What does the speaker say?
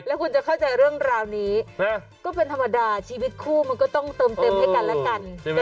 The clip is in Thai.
แล้วคุณจะเข้าใจเรื่องราวนี้ก็เป็นธรรมดาชีวิตคู่มันก็ต้องเติมเต็มให้กันและกัน